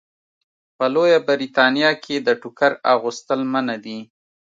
په لویه برېتانیا کې د ټوکر اغوستل منع دي.